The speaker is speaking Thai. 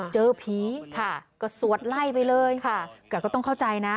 เจอผีค่ะก็สวดไล่ไปเลยค่ะแต่ก็ต้องเข้าใจนะ